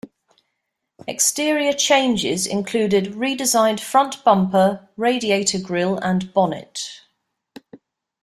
Exterior changes included redesigned front bumper, radiator grille and bonnet.